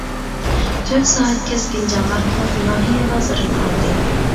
تۆت سائەت كەسكىن جەڭ ئارقىلىق، ناھىيە بازىرىنى ئالدى.